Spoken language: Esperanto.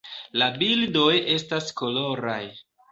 La bildoj estas koloraj.